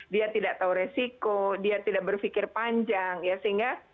dia tidak tahu resiko dia tidak berpikir panjang ya sehingga